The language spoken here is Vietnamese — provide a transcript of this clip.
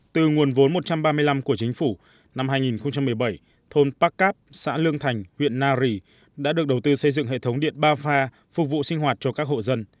từ nguồn vốn một trăm ba mươi năm của chính phủ năm hai nghìn một mươi bảy thôn bắc cáp xã lương thành huyện nari đã được đầu tư xây dựng hệ thống điện ba pha phục vụ sinh hoạt cho các hộ dân